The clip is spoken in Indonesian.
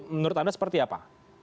menurut anda seperti apa